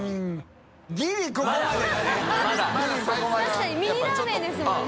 確かにミニラーメンですもんね。